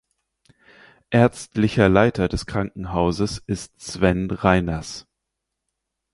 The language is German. Ärztlicher Leiter des Krankenhauses ist Sven Reiners.